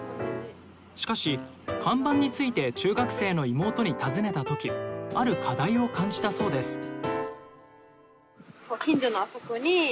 しかし看板について中学生の妹に尋ねた時ある課題を感じたそうです。